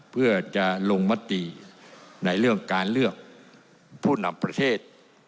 เพื่อจะลงมติในเรื่องการเลือกผู้นำประเทศ